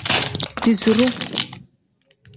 Diiziru.